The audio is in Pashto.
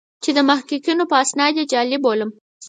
چې د محققینو په استناد یې جعلي بولم.